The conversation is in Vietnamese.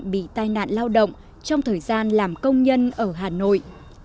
bị tai nạn lao động trong thời gian làm công nhân ở hà nội